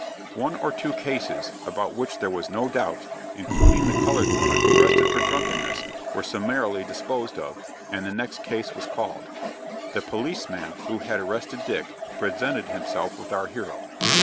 One or two cases, about which there was no doubt, including the colored woman arrested for drunkenness, were summarily disposed of, and the next case was called. The policeman who had arrested Dick presented himself with our hero.